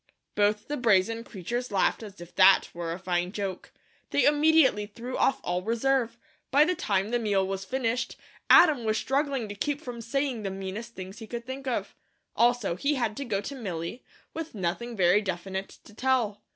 Both the brazen creatures laughed as if that were a fine joke. They immediately threw off all reserve. By the time the meal was finished, Adam was struggling to keep from saying the meanest things he could think of. Also, he had to go to Milly, with nothing very definite to tell.